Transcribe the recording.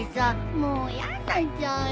もうやんなっちゃうよ。